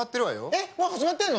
えっもう始まってるの？